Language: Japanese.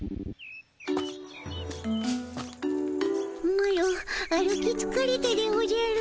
マロ歩きつかれたでおじゃる。